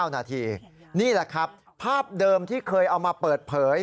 ๙นาทีนี่แหละครับภาพเดิมที่เคยเอามาเปิดเผย